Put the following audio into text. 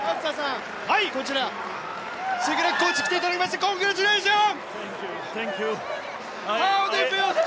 こちら、シェケラックコーチ来ていただきました、コングラチュレーション！